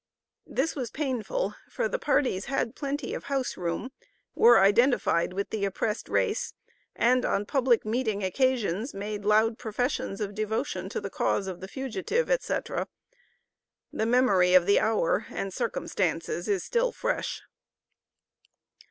This was painful, for the parties had plenty of house room, were identified with the oppressed race, and on public meeting occasions made loud professions of devotion to the cause of the fugitive, &c. The memory of the hour and circumstances is still fresh.